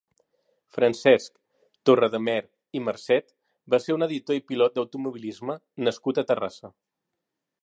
Francesc Torredemer i Marcet va ser un editor i pilot d'automobilisme nascut a Terrassa.